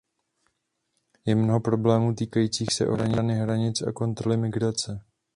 Je mnoho problémů týkajících se ochrany hranic a kontroly migrace.